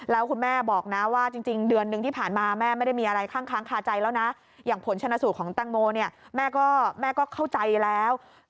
แล้วคุณแม่บอกนะว่าจริงเดือนหนึ่งที่ผ่านมาแม่ไม่ได้มีอะไรข้างคาใจแล้วนะอย่างผลชนะสูตรของแตงโมเนี่ยแม่ก็เข้าใจแล้ว